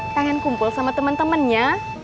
pengen kumpul sama temen temennya